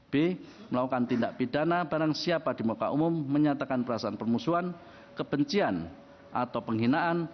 b melakukan tindak pidana barang siapa di muka umum menyatakan perasaan permusuhan kebencian atau penghinaan